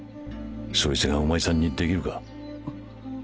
そいつがお前さんにできるか？